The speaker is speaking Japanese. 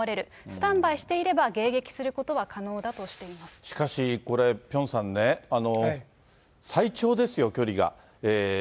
スタンバイしていれば迎撃するこしかしこれ、ピョンさんね、最長ですよ、距離が。